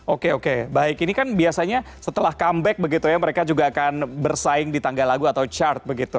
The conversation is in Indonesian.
oke oke baik ini kan biasanya setelah comeback begitu ya mereka juga akan bersaing di tangga lagu atau chart begitu